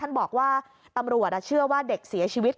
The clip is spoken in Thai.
บอกว่าตำรวจเชื่อว่าเด็กเสียชีวิต